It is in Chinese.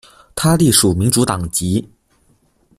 他隶属民主党籍。